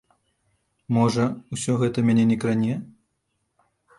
Можа, усё гэта мяне не кране?